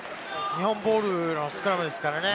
日本ボールのスクラムですからね。